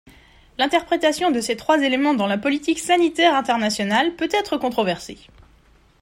L'interprétation de ces trois éléments dans la politique sanitaire internationale peut être controversée.